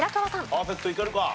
パーフェクトいけるか？